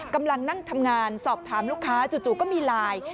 กำลังนั่งทำงานสอบถามลูกค้าจู่ก็มีไลน์